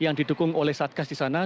yang didukung oleh saja disana